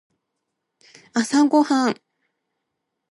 朝ごはん